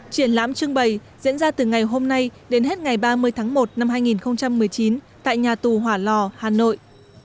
triển lãm trưng bày diễn ra từ ngày hôm nay đến hết ngày ba mươi tháng một năm hai nghìn một mươi chín tại nhà tù hỏa lò hà nội